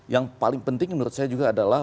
yang paling penting menurut saya juga adalah